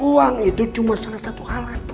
uang itu cuma salah satu alat